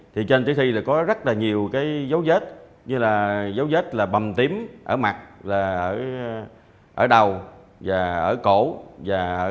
thì trên tử thi là có rất là nhiều cái dấu vết như là dấu vết là bầm tím ở mặt là ở đầu và ở cổ và ở